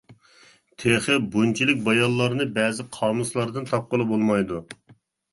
تېخى بۇنچىلىك بايانلارنى بەزى قامۇسلاردىن تاپقىلى بولمايدۇ.